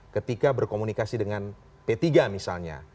ketika berkomunikasi dengan p tiga misalnya